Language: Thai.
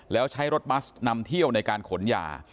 แล้วใช้รถบัสนำเที่ยวในการขนยา